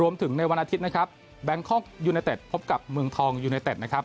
ในวันอาทิตย์นะครับแบงคอกยูเนเต็ดพบกับเมืองทองยูเนเต็ดนะครับ